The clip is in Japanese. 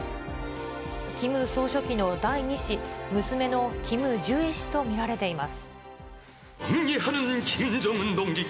キム総書記の第２子、娘のキム・ジュエ氏と見られています。